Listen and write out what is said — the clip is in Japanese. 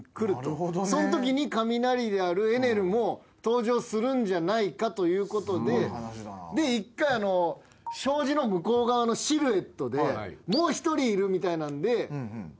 そのときに雷であるエネルも登場するんじゃないかということで一回障子の向こう側のシルエットでもう一人いるみたいなので。